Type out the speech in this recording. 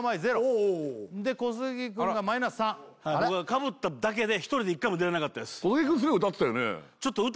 おおお小杉くんがマイナス３僕はかぶっただけで１人で１回も出れなかったです